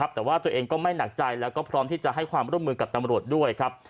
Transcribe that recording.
แต่ว่าตัวเองก็ไม่หนักใจแล้วก็พร้อมที่จะให้ความร่วมมือกับตำรวจด้วยครับ